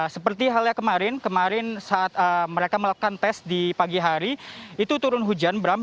seperti halnya kemarin kemarin saat mereka melakukan tes di pagi hari itu turun hujan bram